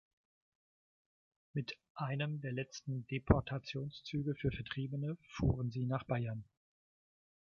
Mit einem der letzten Deportationszüge für Vertriebene fuhren sie nach Bayern.